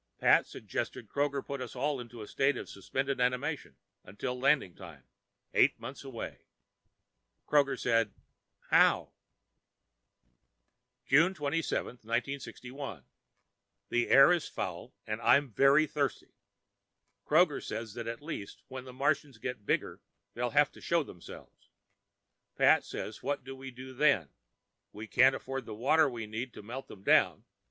Pat suggested Kroger put us all into a state of suspended animation till landing time, eight months away. Kroger said, "How?" June 27, 1961 Air is foul and I'm very thirsty. Kroger says that at least when the Martians get bigger they'll have to show themselves. Pat says what do we do then? We can't afford the water we need to melt them down.